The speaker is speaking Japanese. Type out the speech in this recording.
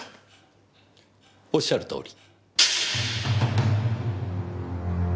おっしゃる通り。